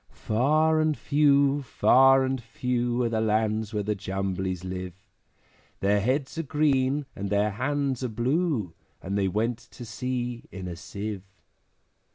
Far and few, far and few, Are the lands where the Jumblies live; Their heads are green, and their hands are blue, And they went to sea in a Sieve.